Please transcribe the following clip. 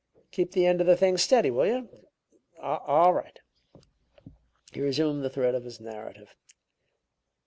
Keep the end of the thing steady, will you? All right." He resumed the thread of his narrative.